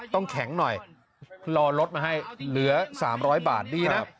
ต้องแข็งหน่อยรอรถมาให้เหลือ๓๐๐บาทนี่แหละ